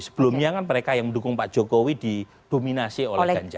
sebelumnya kan mereka yang mendukung pak jokowi didominasi oleh ganjar